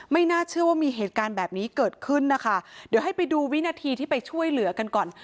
ไม่น่าเชื่อว่ามีเหตุการณ์แบบนี้เกิดขึ้นนะคะเดี๋ยวให้ไปดูวินาทีที่ไปช่วยเหลือกันก่อน